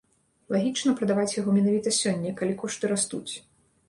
Лагічна прадаваць яго менавіта сёння, калі кошты растуць.